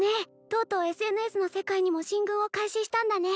とうとうＳＮＳの世界にも進軍を開始したんだね